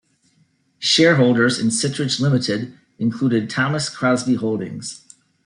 Shareholders in Siteridge Limited included Thomas Crosbie Holdings.